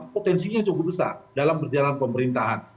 potensinya cukup besar dalam perjalanan pemerintahan